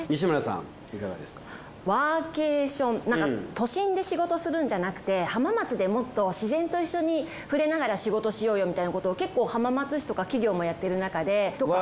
都心で仕事するんじゃなくて浜松でもっと自然と一緒にふれながら仕事しようよみたいなことを結構浜松市とか企業もやってるなかで。